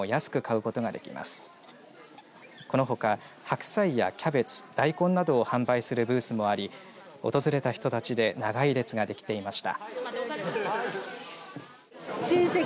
このほか白菜やキャベツ、大根などを販売するブースもあり訪れた人たちで長い列ができていました。